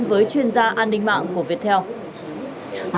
với chuyên gia an ninh mạng của viettel